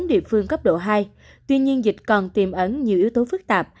bốn địa phương cấp độ hai tuy nhiên dịch còn tiềm ấn nhiều yếu tố phức tạp